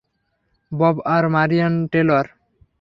Bob আর Marian Taylor.